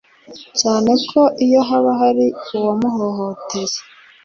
cyane ko iyo haba hari uwari wamuhohoteye